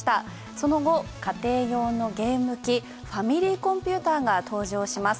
その後、家庭用のゲーム機ファミリーコンピュータが登場します。